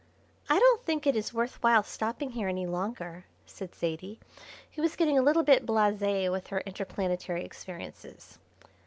"I don't think it is worth while stopping here any longer," said Zaidie, who was getting a little bit blasé with her interplanetary experiences.